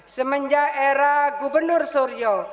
semenjak era gubernur suryo